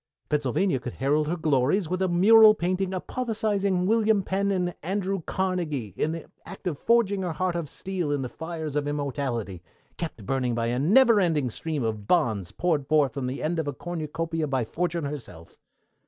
Pennsylvania could herald her glories with a mural painting apotheosizing William Penn and Andrew Carnegie in the act of forging her heart of steel in the fires of immortality, kept burning by a never ending stream of bonds poured forth from the end of a cornucopia by Fortune herself.